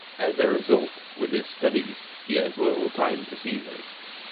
As a result, with his studies, he has little time to see her.